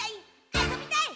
あそびたい！」